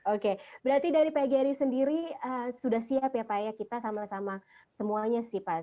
oke berarti dari pgri sendiri sudah siap ya pak ya kita sama sama semuanya sih pak